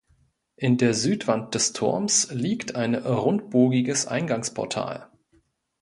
In der Südwand des Turms liegt ein rundbogiges Eingangsportal.